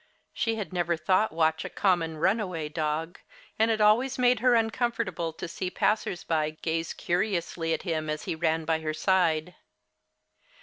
She had never thought Watch a common runaway dog, and it always made her uncomfortable to see passers by gaze curiously at him as he ran by her side.